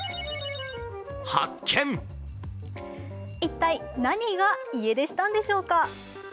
一体、何が家出したのでしょうか。